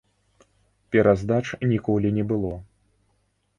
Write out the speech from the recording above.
Пераздач ніколі не было.